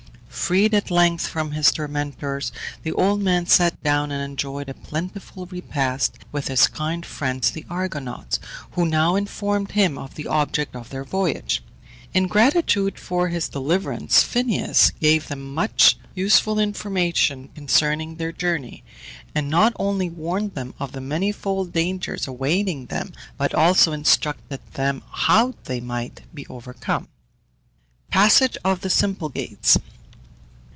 Freed at length from his tormentors the old man sat down and enjoyed a plentiful repast with his kind friends the Argonauts, who now informed him of the object of their voyage. In gratitude for his deliverance Phineus gave them much useful information concerning their journey, and not only warned them of the manifold dangers awaiting them, but also instructed them how they might be overcome. PASSAGE OF THE SYMPLEGADES.